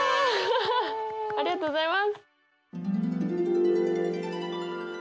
ありがとうございます！